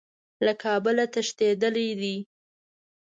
له کابله تښتېدلی دی.